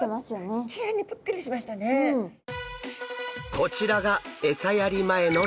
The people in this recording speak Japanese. こちらがエサやり前のチゴダラ。